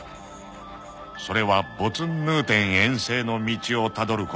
［それはボツンヌーテン遠征の道をたどることであった］